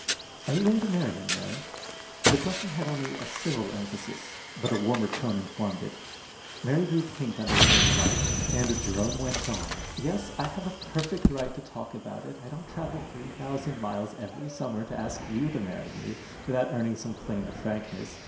Are you going to marry him, Mary?" The question had only a civil emphasis, but a warmer tone informed it. Mary grew pink under the morning light, and Jerome went on: "Yes, I have a perfect right to talk about it, I don't travel three thousand miles every summer to ask you to marry me without earning some claim to frankness.